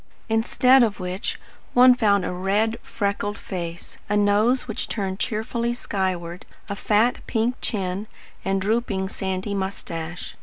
Instead of which one found a red, freckled face, a nose which turned cheerfully skyward, a fat pink chin, and drooping sandy moustache.